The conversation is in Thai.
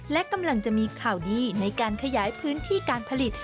และกำลังจะมีข่าวดีในการขยายพื้นที่การผลิต